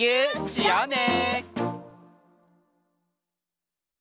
しようね！